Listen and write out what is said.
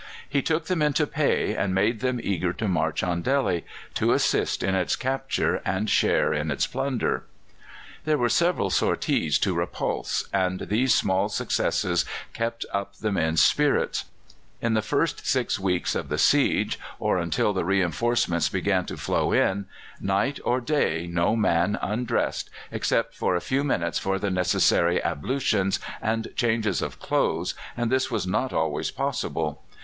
He took them into pay, and made them eager to march on Delhi, to assist in its capture and share in its plunder. There were several sorties to repulse, and these small successes kept up the men's spirits. In the first six weeks of the siege, or until the reinforcements began to flow in, night or day no man undressed, except for a few minutes for the necessary ablutions and changes of clothes, and this was not always possible.